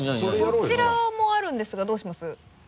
そちらもあるんですがどうします？